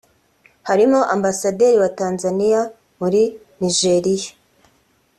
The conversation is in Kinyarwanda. harimo Ambasaderi wa Tanzaniya muri Nigeria